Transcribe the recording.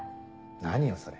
何よそれ。